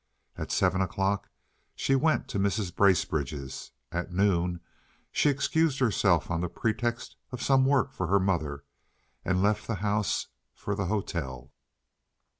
At seven o'clock she went to Mrs. Bracebridge's; at noon she excused herself on the pretext of some work for her mother and left the house for the hotel.